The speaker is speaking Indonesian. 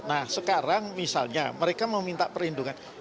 nah sekarang misalnya mereka meminta perlindungan